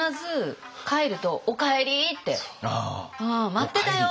「待ってたよ！」